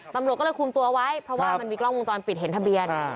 ตำรวจก็เลยคุมตัวไว้เพราะว่ามันมีกล้องวงจรปิดเห็นทะเบียน